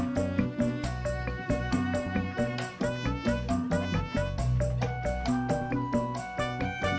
tunggu aku mau pergi